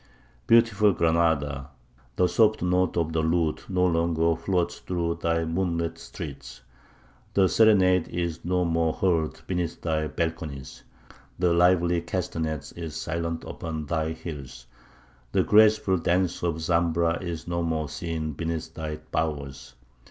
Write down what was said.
Beautiful Granada! the soft note of the lute no longer floats through thy moonlit streets; the serenade is no more heard beneath thy balconies; the lively castanet is silent upon thy hills; the graceful dance of the Zambra is no more seen beneath thy bowers.